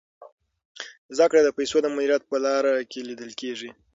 زده کړه د پیسو د مدیریت په لاره کي لیدل کیږي.